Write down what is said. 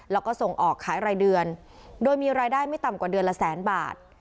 แล้วก็ส่งออกขายรายเดือนโดยมีรายได้ไม่ต่ำกว่าเดือนละแสนบาท